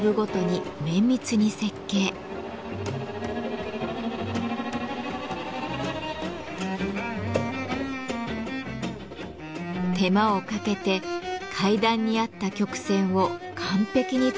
手間をかけて階段に合った曲線を完璧に作り上げるのです。